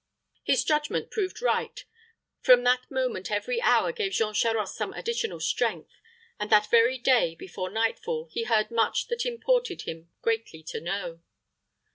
His judgment proved right. From that moment every hour gave Jean Charost some additional strength; and that very day, before nightfall, he heard much that imported him greatly to know.